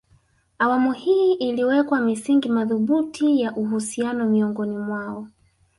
Awamu hii iliweka misingi madhubuti ya uhusiano miongoni mwao